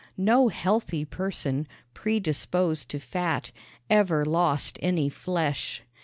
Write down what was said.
No healthy person, predisposed to fat, ever lost any flesh.